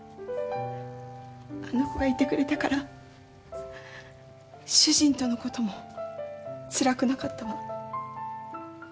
あの子がいてくれたから主人とのこともつらくなかったわ。